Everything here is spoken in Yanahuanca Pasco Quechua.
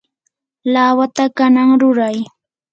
lawata kanan ruray.